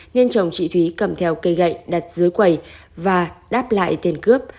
nên chồng chị thúy cầm theo cây gậy đặt dưới quầy và đáp lại tiền cướp